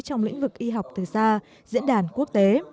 trong lĩnh vực y học từ xa diễn đàn quốc tế